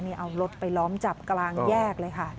นี่เอารถไปล้อมจับกลางแยกเลยค่ะ